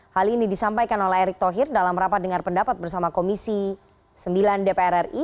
hal ini disampaikan oleh erick thohir dalam rapat dengar pendapat bersama komisi sembilan dpr ri